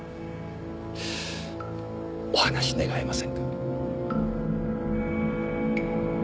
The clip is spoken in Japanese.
お話し願えませんか？